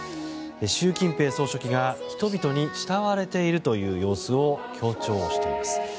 習近平総書記が人々に慕われている様子を強調しています。